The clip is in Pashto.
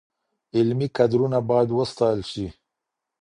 علمي کدرونه باید وستایل سي.